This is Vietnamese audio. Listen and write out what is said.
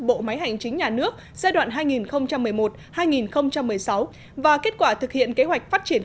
bộ máy hành chính nhà nước giai đoạn hai nghìn một mươi một hai nghìn một mươi sáu và kết quả thực hiện kế hoạch phát triển